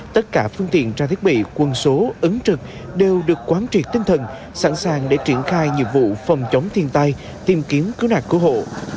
tất cả phương tiện tra thiết bị quân số ứng trực đều được quán triệt tinh thần sẵn sàng để triển khai nhiệm vụ phòng chống thiên tai tìm kiếm cứu nạt cứu hộ